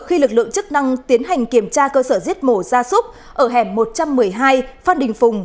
khi lực lượng chức năng tiến hành kiểm tra cơ sở giết mổ ra súc ở hẻm một trăm một mươi hai phan đình phùng